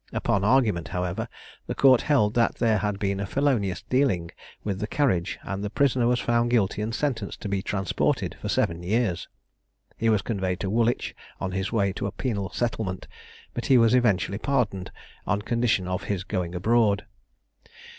Upon argument, however, the court held that there had been a felonious dealing with the carriage, and the prisoner was found guilty and sentenced to be transported for seven years. He was conveyed to Woolwich on his way to a penal settlement, but he was eventually pardoned on condition of his going abroad.